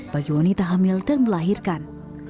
bagi wanita hamil dan melahirkan